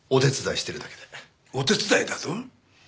お手伝いだと？